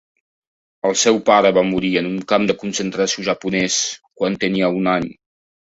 El seu pare va morir en un camp de concentració japonès quan tenia un any.